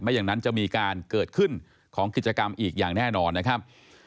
อย่างนั้นจะมีการเกิดขึ้นของกิจกรรมอีกอย่างแน่นอนนะครับ